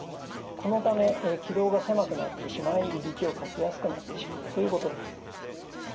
このため気道が狭くなってしまいいびきをかきやすくなってしまうということです。